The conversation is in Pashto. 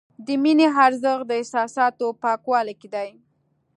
د مینې ارزښت د احساساتو پاکوالي کې دی.